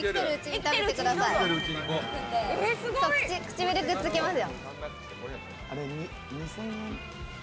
唇くっつきますよ。